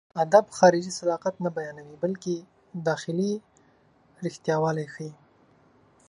ادب خارجي صداقت نه بيانوي، بلکې داخلي رښتياوالی ښيي.